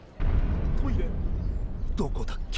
トイレどこだっけ？